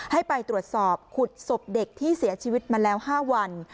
ให้ไปตรวจสอบขุดศพเด็กที่เสียชีวิตมาแล้ว๕วัน